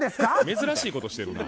珍しいことしてるな。